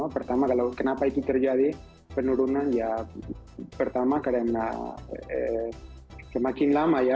pertama kalau kenapa itu terjadi penurunan ya pertama karena semakin lama ya